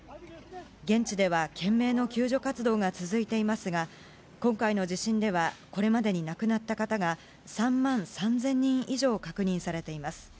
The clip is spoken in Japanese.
現地では懸命の救助活動が続いていますが、今回の地震ではこれまでに亡くなった方が３万３０００人以上確認されています。